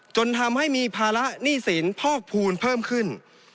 จนทำให้มีภาระหนี้สินพอกภูมิเพิ่มขึ้น